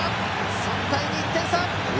３対２、１点差。